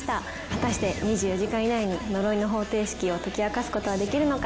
果たして２４時間以内に呪いの方程式を解き明かすことはできるのか。